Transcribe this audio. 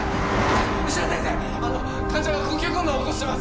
患者が呼吸困難を起こしています